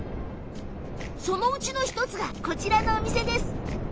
そのうちの１つがこちらのお店。